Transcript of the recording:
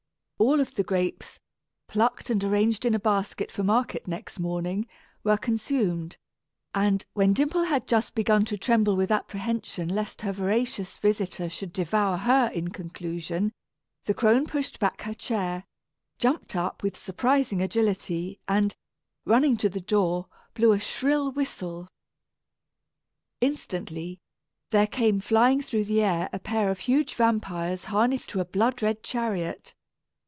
All of the grapes, plucked and arranged in a basket for market next morning, were consumed; and, when Dimple had just begun to tremble with apprehension lest her voracious visitor should devour her in conclusion, the crone pushed back her chair, jumped up with surprising agility and, running to the door, blew a shrill whistle. Instantly, there came flying through the air a pair of huge vampires harnessed to a blood red chariot.